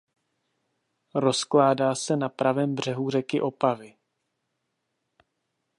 Rozkládá se na pravém břehu řeky Opavy.